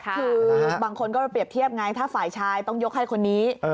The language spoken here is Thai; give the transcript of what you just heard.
คือบางคนก็เปรียบเทียบไงถ้าฝ่ายชายต้องยกให้คนนี้